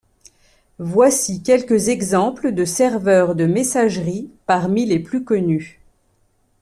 Voici quelques exemples de serveurs de messagerie parmi les plus connus.